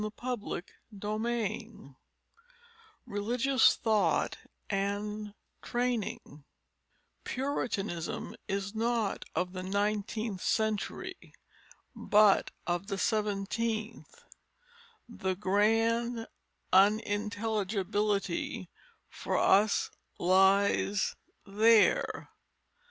CHAPTER XII RELIGIOUS THOUGHT AND TRAINING _Puritanism is not of the Nineteenth Century, but of the Seventeenth, the grand unintelligibility for us lies there.